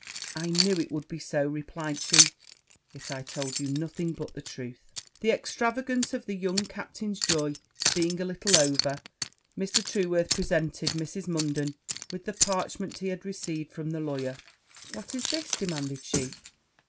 'I knew it would be so,' replied she; 'but I told you nothing but the truth.' The extravagance of the young captain's joy being a little over, Mr. Trueworth presented Mrs. Munden with the parchment he had received from the lawyer. 'What is this?' demanded she.